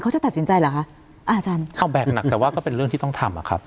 จะตัดสินใจเหรอคะอาจารย์เอาแบบหนักแต่ว่าก็เป็นเรื่องที่ต้องทำอ่ะครับ